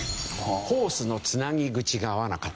ホースのつなぎ口が合わなかったんです。